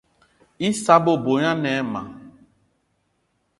Issa bebo gne ane ayi ma